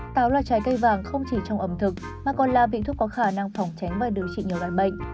táo là trái cây vàng không chỉ trong ẩm thực mà còn là vị thuốc có khả năng phỏng tránh và điều trị nhiều đoạn bệnh